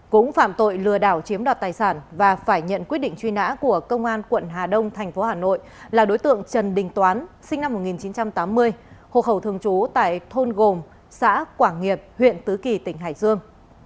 cũng phạm tội lừa đảo chiếm đoạt tài sản và phải nhận quyết định truy nã của công an quận hà đông thành phố hà nội là đối tượng trần đình toán sinh năm một nghìn chín trăm tám mươi hộ khẩu thường trú tại thôn gồm xã quảng nghiệp huyện tứ kỳ tỉnh hải dương